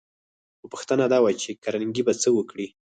خو پوښتنه دا وه چې کارنګي به څه وکړي